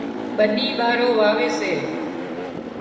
ٻنِي ٻارو واوي سي